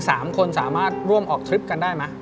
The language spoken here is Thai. สามคนสามารถร่วมออกทริปกันได้ไหม